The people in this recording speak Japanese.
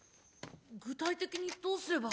具体的にどうすれば。